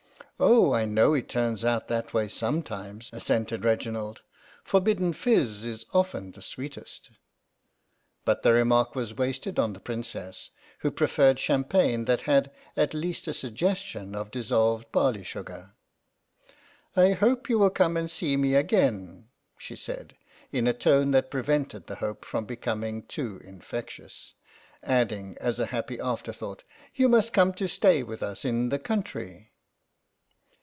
" Oh, I know it turns out that way some times," assented Reginald. " Forbidden fizz is often the sweetest." But the remark was wasted on the Princess, who preferred champagne that had at least a suggestion of dissolved barley sugar. " I hope you will come and see me again," she said, in a tone that prevented the hope from becoming too infectious; adding as a happy afterthought, " you must come to stay with us in the country."